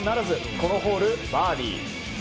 このホール、バーディー。